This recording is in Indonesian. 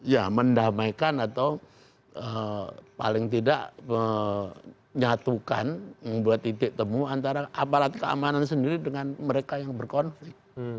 ya mendamaikan atau paling tidak menyatukan membuat titik temu antara aparat keamanan sendiri dengan mereka yang berkonflik